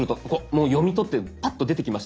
もう読み取ってパッと出てきましたよね。